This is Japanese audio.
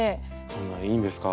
そんないいんですか？